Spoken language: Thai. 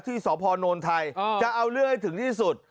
ที่สผนนทัยอ่าจะเอาเรื่องไว้ถึงที่สุด